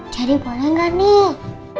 jadi boleh gak nih